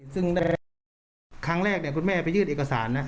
ซึ่งในครั้งแรกคุณแม่ไปยืดเอกสาร